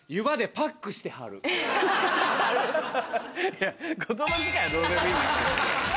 いや言葉遣いはどうでもいいんですけどね。